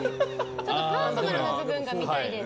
ちょっとパーソナルな部分が見たいです。